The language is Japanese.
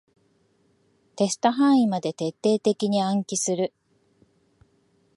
テスト範囲まで徹底的に暗記する